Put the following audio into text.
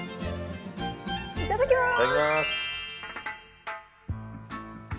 いただきます。